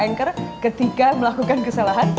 yang akan mengangker ketika melakukan kesalahan